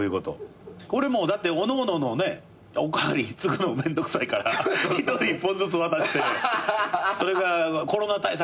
これだっておのおののお代わり作るのめんどくさいから１人１本ずつ渡してそれがコロナ対策や言ってたもんね。